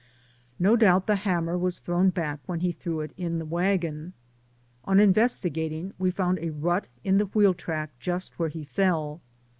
No doubt the hammer was thrown back when he threw 48 DAYS ON THE ROAD. it in the wagon. On investigating we found a rut in the wheel track just where he fell.